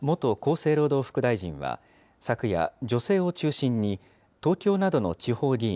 生労働副大臣は昨夜、女性を中心に東京などの地方議員